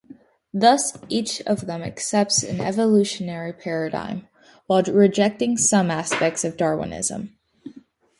Thus, each of them accepts an evolutionary paradigm, while rejecting some aspects of Darwinism.